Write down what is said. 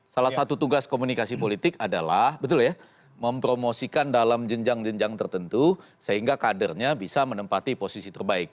salah satu tugas komunikasi politik adalah betul ya mempromosikan dalam jenjang jenjang tertentu sehingga kadernya bisa menempati posisi terbaik